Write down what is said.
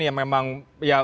yang memang ya